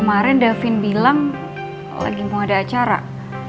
pertama kali nanti kita lihat yang udah